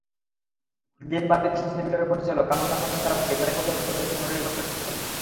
Panjeree publications লিমিটেডের পরিচালক কামরুল হাসান শায়ক নির্বাহী পরিচালক পদে পুনর্নির্বাচিত হয়েছেন।